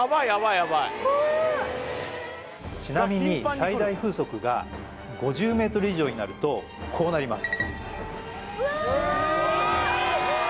ヤバいちなみに最大風速が５０ｍ／ｓ以上になるとこうなります